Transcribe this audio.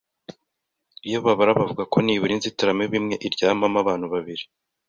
Iyo babara bavuga ko nibura inzitiramibu imwe iryamamo abantu babiri.